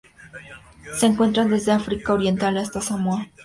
Se encuentra desde África Oriental hasta Samoa.